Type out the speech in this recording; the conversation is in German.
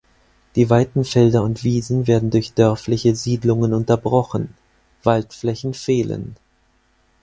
Die weiten Felder und Wiesen werden durch dörfliche Siedlungen unterbrochen, Waldflächen fehlen.